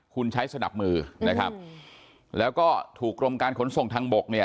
คุณใช้สนับมือนะครับแล้วก็ถูกกรมการขนส่งทางบกเนี่ย